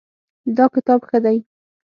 دا کتاب ښه دی